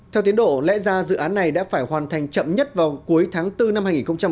theo tiến độ lẽ ra dự án này đã phải hoàn thành chậm nhất vào cuối tháng bốn năm hai nghìn hai mươi